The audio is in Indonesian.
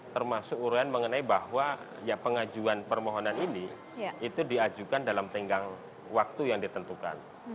termasuk urutan mengenai bahwa pengajuan permohonan ini itu diajukan dalam tenggang waktu yang ditentukan